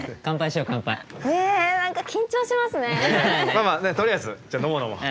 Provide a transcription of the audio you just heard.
まあまあねっとりあえずじゃ飲もう飲もう。